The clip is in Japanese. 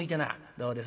「どうです？